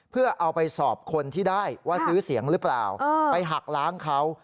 เพื่อเอาไปสอบคนที่ได้ว่าซื้อเสียงหรือเปล่าไปหักล้างเขา